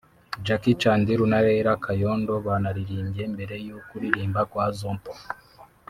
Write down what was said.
Jackie Chandiru na Leila Kayondo banaririmbye mbere yo kuririmba kwa Azonto